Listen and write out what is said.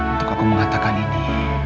untuk aku mengatakan ini